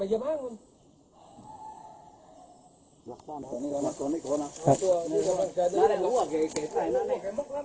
เหลืองเท้าอย่างนั้น